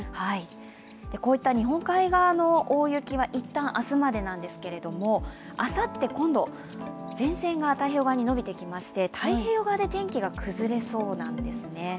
こういった日本海側の大雪は一旦明日までなんですけれども、あさって、今度前線が太平洋側に伸びてきまして太平洋側で天気が崩れそうなんですね。